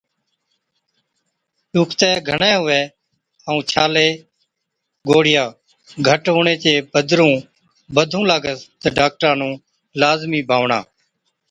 ڏُکتَي گھڻَي هُوَي ائُون ڇالي ائُون گوڙهِيا گھٽ هُوچي چي بِدرُون بڌُون لاگس تہ ڊاڪٽرا نُون لازمِي بانوَڻا،